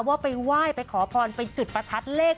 ว่าไปไหว้ไปขอพรไปจุดประทัดเลข